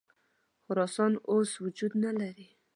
خراسان اوس وجود نه لري.